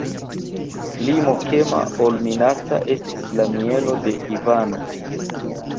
Pli mokema ol minaca estis la mieno de Ivano.